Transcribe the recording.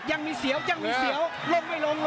ยังมีเสียวลงไม่ลง